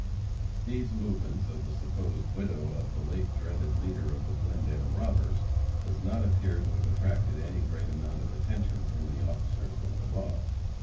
These movements of the supposed widow of the late dreaded leader of the Glendale robbers does not appear to have attracted any great amount of attention from the officers of the law.